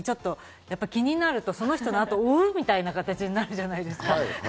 ちょっと気になるとその人が多いみたいな形になるじゃないですか。